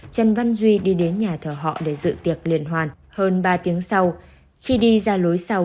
hai nghìn hai mươi hai trần văn duy đi đến nhà thờ họ để dự tiệc liên hoan hơn ba tiếng sau khi đi ra lối sau